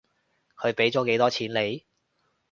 佢畀咗幾多錢你？